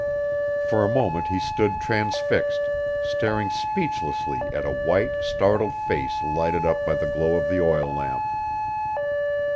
For a moment he stood transfixed, staring speechlessly at a white, startled face lighted up by the glow of the oil lamp.